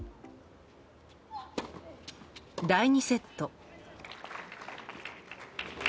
第２セット。